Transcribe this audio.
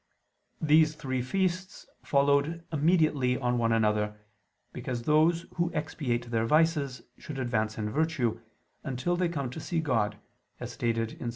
These three feasts followed immediately on one another, because those who expiate their vices should advance in virtue, until they come to see God, as stated in Ps.